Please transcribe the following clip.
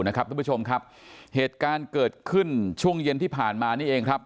เช่นเพื่อชมครับเหตุการณ์เกิดขึ้นช่วงเย็นที่ผ่านมา